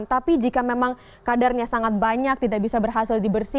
tapi jika memang kadarnya sangat banyak tidak bisa berhasil dibersih